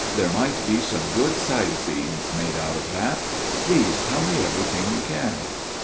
' There might be some good side scenes made out of that. Please tell me everything you can.'